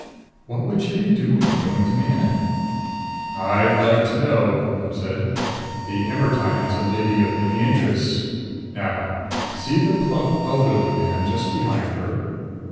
"What would she be doing, going to Manon?" "I'd like to know," Quillan said. "The Ermetyne's a lady of many interests. Now see the plump elderly man just behind her?"